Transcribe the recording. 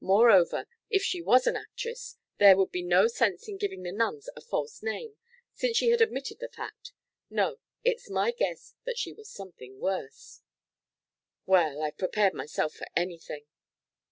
Moreover, if she was an actress there would be no sense in giving the nuns a false name, since she had admitted the fact. No, it's my guess that she was something worse." "Well, I've prepared myself for anything."